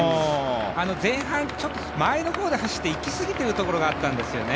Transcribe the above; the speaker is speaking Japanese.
前半、前の方で走っていきすぎているところがあったんですよね。